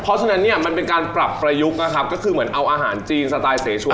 เพราะฉะนั้นเนี่ยมันเป็นการปรับประยุกต์นะครับก็คือเหมือนเอาอาหารจีนสไตล์เสชวน